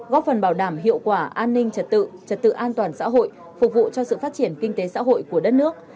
góp phần bảo đảm hiệu quả an ninh trật tự trật tự an toàn xã hội phục vụ cho sự phát triển kinh tế xã hội của đất nước